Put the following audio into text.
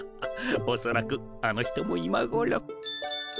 おそらくあの人もいまごろ。